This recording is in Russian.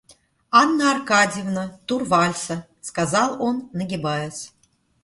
Анна Аркадьевна, тур вальса, — сказал он нагибаясь.